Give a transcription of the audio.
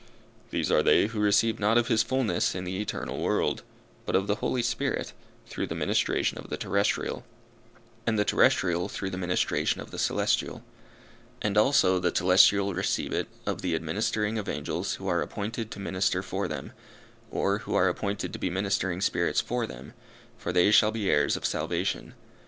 These are they who receive not of his fulness in the eternal world, but of the Holy Spirit, through the ministration of the terrestrial; and the terrestrial through the ministration of the celestial; and also the telestial receive it of the administering of angels who are appointed to minister for them, or who are appointed to be ministering spirits for them, for they shall be heirs of salvation.